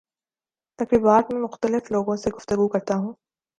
تقریبات میں مختلف لوگوں سے گفتگو کرتا ہوں